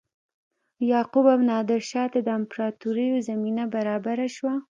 یعقوب او نادرشاه ته د امپراتوریو زمینه برابره شوه.